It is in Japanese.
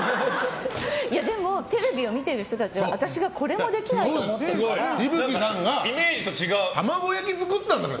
でもテレビを見てる人たちは私がこれもできないと思ってるから。